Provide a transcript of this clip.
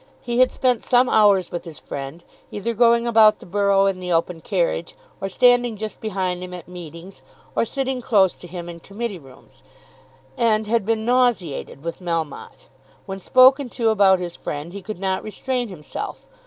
He had spent some hours with his friend, either going about the borough in the open carriage, or standing just behind him at meetings, or sitting close to him in committee rooms, and had been nauseated with Melmotte. When spoken to about his friend he could not restrain himself.